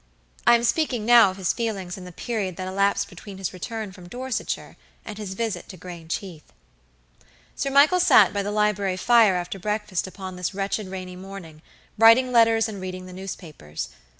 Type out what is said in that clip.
I am speaking now of his feelings in the period that elapsed between his return from Dorsetshire and his visit to Grange Heath. Sir Michael sat by the library fire after breakfast upon this wretched rainy morning, writing letters and reading the newspapers.